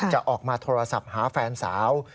จะออกมาโทรศัพท์หาแฟนสาว